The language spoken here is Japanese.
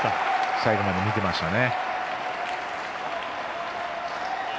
最後まで見ていましたね。